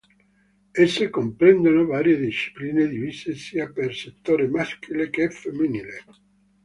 Esse comprendono varie discipline divise sia per settore maschile che femminile.